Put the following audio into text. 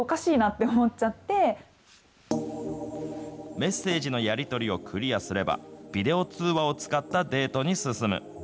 メッセージのやり取りをクリアすれば、ビデオ通話を使ったデートに進む。